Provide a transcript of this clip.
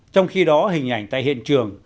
trong khi đó hình ảnh tại hiện trường